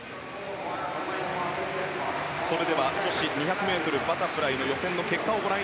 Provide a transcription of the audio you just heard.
女子２００ｍバタフライの予選の結果です。